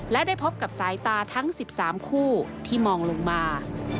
และได้พบกับสายตาทั้ง๑๓คู่ที่มองลงมา